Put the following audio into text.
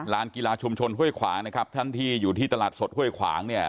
กีฬาชุมชนห้วยขวางนะครับท่านที่อยู่ที่ตลาดสดห้วยขวางเนี่ย